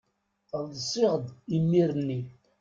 Ḍsiɣ-d imir-nni.